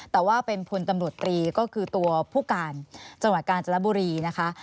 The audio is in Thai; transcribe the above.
แต่ว่าเป็นพลตำรวจตรีก็คือตัวผู้การจังหวัดกาญจนบุรีนะคะ